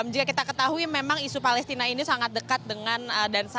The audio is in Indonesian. jika kita ketahui memang isu palestina ini sangat dekat dengan